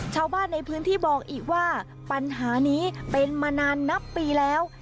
ชาวบ้านในพื้นที่บอกอีกว่าปัญหานี้เป็นมานานนับปีแล้ว